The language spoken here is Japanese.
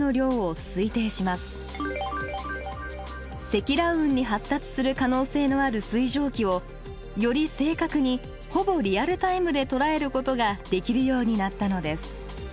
積乱雲に発達する可能性のある水蒸気をより正確にほぼリアルタイムで捉えることができるようになったのです。